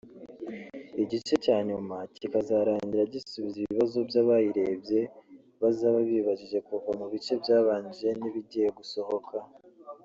Igice cya nyuma kikazarangira gisubiza ibibazo by’abayirebye bazaba bibajije kuva mu bice byabanje n’ibi bigiye gusohoka”